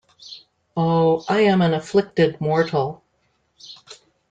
Oh, I am an afflicted mortal.